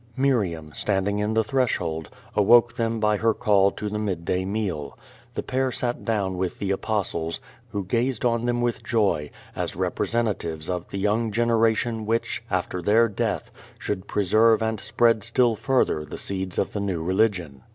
Miriam, standing in the threshold, awoke them by her call to the midday meal. The pair sat down with the Apostles, who gazed on them with joy, as representatives of the youn>» generation which, after their death, should preserve and spread still further the seeds of the new religion.